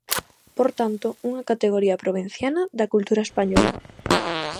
Por tanto, unha categoría provinciana da cultura española.